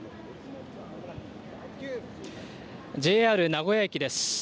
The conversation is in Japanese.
ＪＲ名古屋駅です。